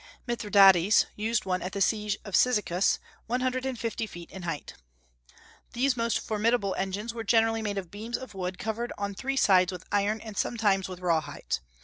Mithridates used one at the siege of Cyzicus one hundred and fifty feet in height. These most formidable engines were generally made of beams of wood covered on three sides with iron and sometimes with rawhides.